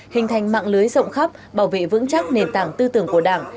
hình thành mạng lưới rộng khắp bảo vệ vững chắc nền tảng tư tưởng của đảng